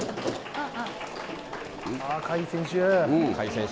甲斐選手。